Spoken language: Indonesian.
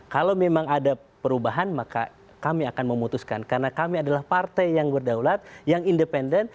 kalau memang ada perubahan maka kami akan memutuskan karena kami adalah partai yang berdaulat yang independen